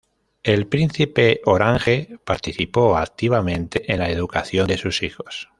El príncipe de Orange participó activamente en la educación de sus hijos.